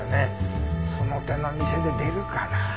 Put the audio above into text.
その手の店で出るかな？